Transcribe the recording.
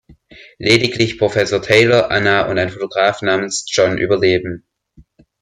Lediglich Professor Taylor, Ana und ein Fotograf namens John überleben.